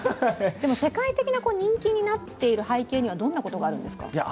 世界的な人気になっている背景にはどんなことがあるんですか？